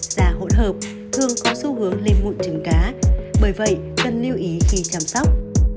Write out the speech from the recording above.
da hỗn hợp thường có xu hướng lên mụn trứng cá bởi vậy cần lưu ý khi chăm sóc